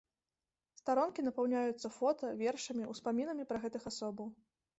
Старонкі напаўняюцца фота, вершамі, успамінамі пра гэтых асобаў.